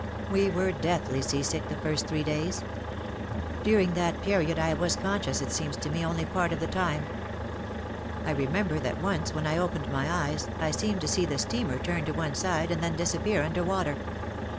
We were deathly seasick the first three days. During that period I was conscious, it seems to me, only part of the time. I remember that once when I opened my eyes I seemed to see the steamer turn to one side and then disappear under water.